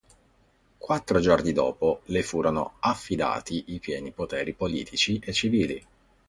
Quattro giorni dopo le furono affidati i pieni poteri politici e civili.